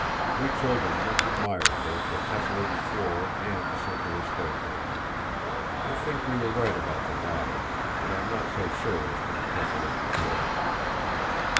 We children much admired both the tessellated floor and the circular staircase. I think we were right about the latter, but I am not so sure as to the tessellated floor.